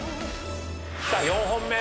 さあ４本目。